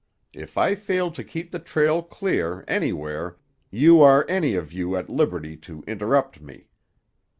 If I fail to keep the trail clear, anywhere, you are any of you at liberty to interrupt me.